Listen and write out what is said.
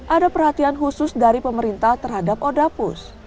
ada perhatian khusus dari pemerintah terhadap odapus